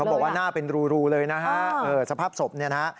บอกว่าหน้าเป็นรูเลยนะฮะสภาพศพเนี่ยนะฮะ